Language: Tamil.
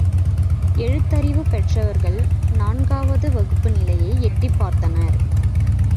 எழுத்தறிவு பெற்றவர்கள் நான்காவது வகுப்பு நிலையை எட்டிப் பிடித்தனர்.